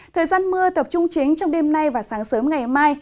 thời gian mưa tập trung chính trong đêm nay và sáng sớm ngày mai